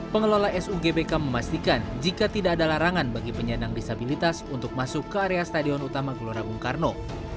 pengelola sugbk memastikan jika tidak ada larangan bagi penyandang disabilitas untuk masuk ke area stadion utama gelora bung karno